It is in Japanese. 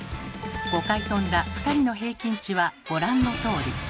５回跳んだ２人の平均値はご覧のとおり。